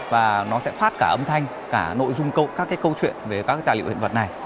và nó sẽ phát cả âm thanh cả nội dung các cái câu chuyện về các tài liệu hiện vật này